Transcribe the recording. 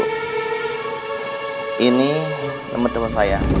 baik bu ini teman teman saya